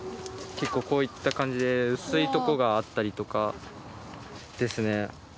結構こういった感じで薄いとこがあったりとかですね。